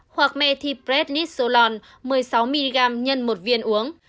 hoặc methyprednisolone một mươi sáu mg x một viên uống